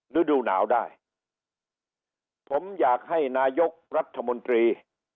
ฤดูหนาวได้ผมอยากให้นายกรัฐมนตรี